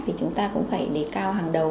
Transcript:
thì chúng ta cũng phải đề cao hàng đầu